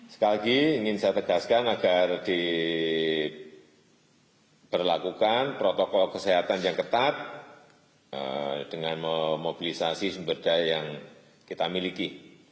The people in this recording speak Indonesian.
sekali lagi ingin saya tegaskan agar diberlakukan protokol kesehatan yang ketat dengan memobilisasi sumber daya yang kita miliki